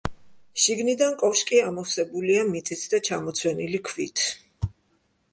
შიგნიდან კოშკი ამოვსებულია მიწით და ჩამოცვენილი ქვით.